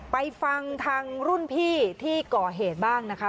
ไปฟังทางรุ่นพี่ที่ก่อเหตุบ้างนะคะ